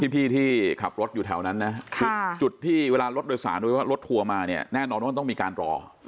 พี่ที่ขับรถแถวนั้นนะจุดที่ไหนรถรถทัวร์มาเนี่ยแน่นอนมันต้องมีการรอ